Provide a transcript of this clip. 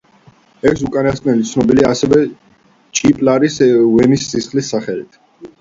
ეს უკანასკნელი ცნობილია ასევე ჭიპლარის ვენის სისხლის სახელით.